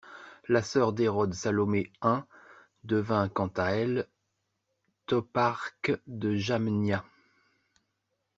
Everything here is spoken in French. La sœur d'Hérode Salomé I devint quant à elle toparque de Jamnia.